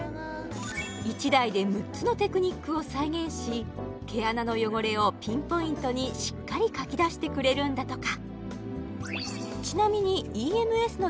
１台で６つのテクニックを再現し毛穴の汚れをピンポイントにしっかりかき出してくれるんだとか